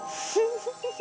フフフフ。